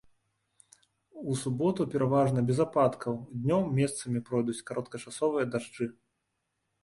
У суботу пераважна без ападкаў, днём месцамі пройдуць кароткачасовыя дажджы.